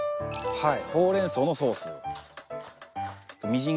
はい。